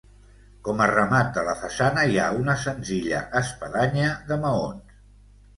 Com a remat de la façana hi ha una senzilla espadanya de maons.